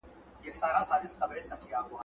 طالب هیڅکله د ټولنې استازولي نشی کولی.